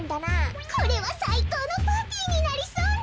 これはさいこうのパーティーになりそうね。